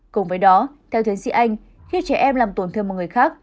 cùng với đó theo thúy sĩ anh khi trẻ em làm tổn thương một người khác